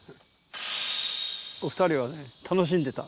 お二人は楽しんでた。